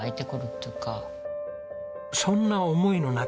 そんな思いの中